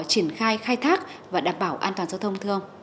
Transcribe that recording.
triển khai khai thác và đảm bảo an toàn giao thông thường